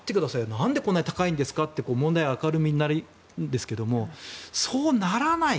なんで、こんなに高いんですかと問題が明るみになるんですがそうならない